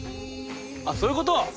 あっ、そういうこと。